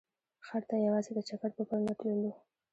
ښار ته یوازې د چکر په پلمه تللو.